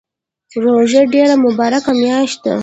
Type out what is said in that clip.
روژه ډیره مبارکه میاشت ده